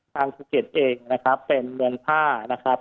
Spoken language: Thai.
ภูเก็ตเองนะครับเป็นเมืองผ้านะครับ